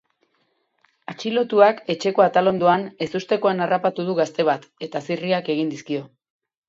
Atxilotuak etxeko atalondoan ezustekoan harrapatu du gazte bat, eta zirriak egin dizkio.